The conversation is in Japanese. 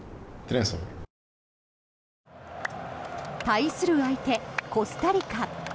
対する相手、コスタリカ。